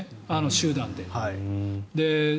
集団で。